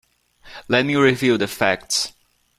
Let me review the facts.